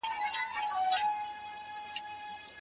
د اسلام په لارښوونو کي د ټولني عزت نغښتی دی.